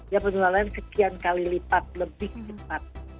ya penularan sekian kali lipat lebih cepat